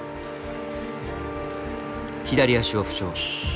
左足を負傷。